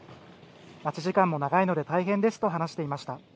待ち時間も長いので大変ですと話していました。